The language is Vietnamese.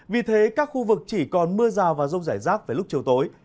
vì thế các khu vực chỉ còn mưa rào và rông rải rác về lúc chiều tối